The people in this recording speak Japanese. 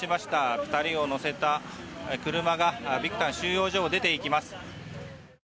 ２人を乗せた車がビクタン収容所を出ていきます。